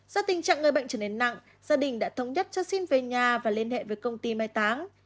do tình trạng người bệnh trở nên nặng gia đình đã thống nhất cho xin về nhà và liên hệ với công ty mai táng